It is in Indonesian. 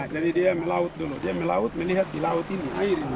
jadi dia melaut dulu dia melaut melihat di laut ini